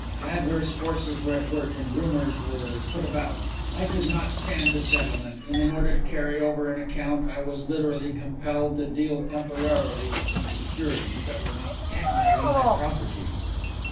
Adverse forces were at work and rumours were put about. I could not stand the settlement, and in order to carry over an account I was literally compelled to deal temporarily with some securities that were not technically my own property."